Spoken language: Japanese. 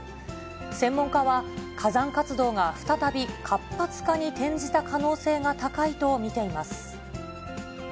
専門家は、火山活動が再び活発化に転じた可能性が高いと見ています。